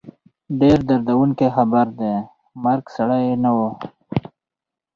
ډېر دردوونکی خبر دی، د مرګ سړی نه وو